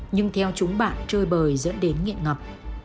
nhưng theo chúng bạn chơi bời dẫn đến nghiện ngập